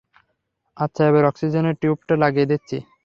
আচ্ছা, এবার অক্সিজেনের টিউবটা লাগিয়ে দিচ্ছি!